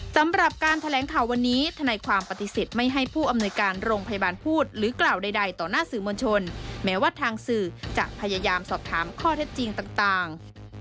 สำหรับการแถลงข่าววันนี้ทนายความปฏิเสธไม่ให้ผู้อำนวยการโรงพยาบาลพูดหรือกล่าวใดต่อหน้าสื่อมวลชนแม้ว่าทางสื่อจะพยายามสอบถามข้อเท็จจริงต่าง